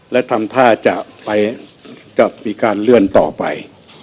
และทำท่าจะไปจะมีการเลื่อนต่อไป